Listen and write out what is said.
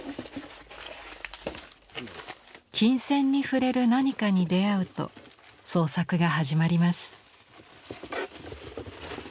琴線に触れる何かに出会うと創作が始まります。